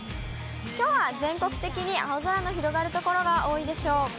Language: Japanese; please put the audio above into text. きょうは全国的に青空の広がる所が多いでしょう。